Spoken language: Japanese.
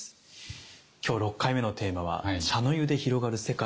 今日六回目のテーマは「茶の湯で広がる世界」。